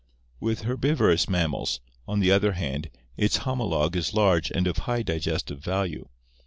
With herbivorous mammals, on the other hand, its homologue is large and of high digestive value.